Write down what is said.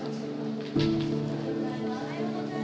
おはようございます。